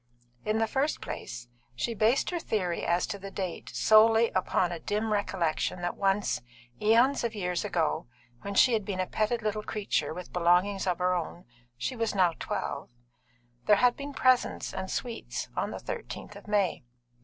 In the first place, she based her theory as to the date solely upon a dim recollection that once, eons of years ago, when she had been a petted little creature with belongings of her own (she was now twelve), there had been presents and sweets on the 13th of May.